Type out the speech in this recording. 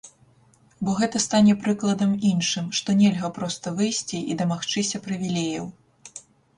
Бо гэта стане прыкладам іншым, што нельга проста выйсці і дамагчыся прывілеяў.